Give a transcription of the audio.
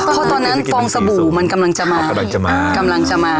เพราะตอนนั้นฟองสบู่มันกำลังจะมา